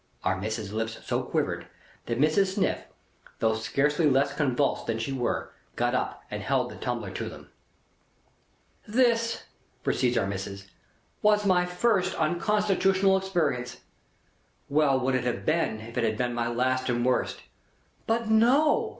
Our Missis's lips so quivered, that Mrs. Sniff, though scarcely less convulsed than she were, got up and held the tumbler to them. "This," proceeds Our Missis, "was my first unconstitutional experience. Well would it have been, if it had been my last and worst. But no.